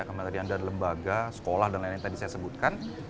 kami tadi ada lembaga sekolah dan lain lain yang tadi saya sebutkan